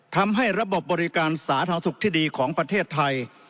ทำให้ระบบบริการสาธารณสุขที่ดีของประเทศไทย